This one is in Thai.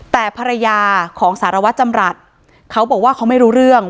แต่ภรรยาของสารวัตรจำรัฐเขาบอกว่าเขาไม่รู้เรื่อง